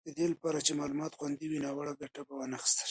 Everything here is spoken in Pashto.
د دې لپاره چې معلومات خوندي وي، ناوړه ګټه به وانخیستل شي.